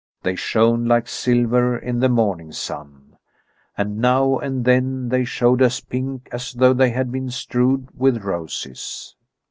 They shone like silver in the morning sun, and now and then they showed as pink as though they had been strewed with roses.